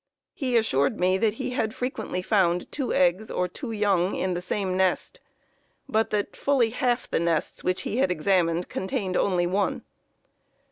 He assured me that he had frequently found two eggs or two young in the same nest, but that fully half the nests which he had examined contained only one.